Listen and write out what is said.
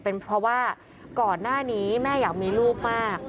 เป็นเพราะว่าก่อนหน้านี้แม่อยากมีลูกมาก